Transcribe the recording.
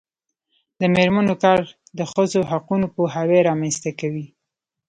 د میرمنو کار د ښځو حقونو پوهاوی رامنځته کوي.